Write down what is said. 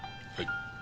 はい。